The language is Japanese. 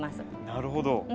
なるほど。